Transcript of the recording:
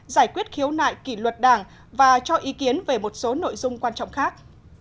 giải quyết khiếu nại kỷ luật đảng và cho ý kiến về một số nội dung quan trọng khác